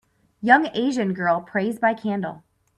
Young Asian girl prays by a candle.